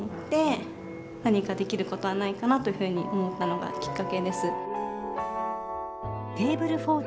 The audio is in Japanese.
何かできることはないかなというふうに思ったのがきっかけです。